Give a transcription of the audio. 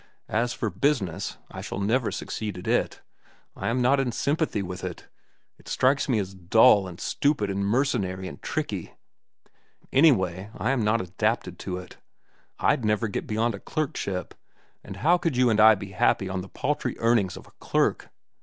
As for business, I shall never succeed at it. I am not in sympathy with it. It strikes me as dull, and stupid, and mercenary, and tricky. Anyway I am not adapted for it. I'd never get beyond a clerkship, and how could you and I be happy on the paltry earnings of a clerk?